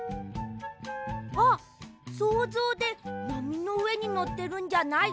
あっそうぞうでなみのうえにのってるんじゃない？